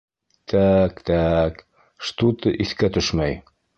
— Тә-әк, тәк-тәк... шту-ты иҫкә төшмәй.